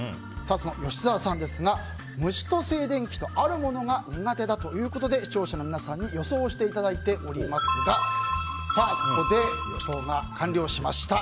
その吉沢さんですが虫と静電気とあるものが苦手ということで視聴者の皆さんに予想していただいていますがここで予想が完了しました。